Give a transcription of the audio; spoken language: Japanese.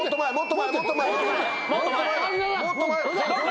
もっと前だ！